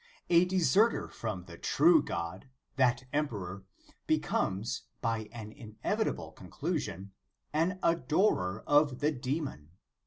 A deserter from the true God, that emperor, becomes, by an inevitable conclusion, an adorer of the demon.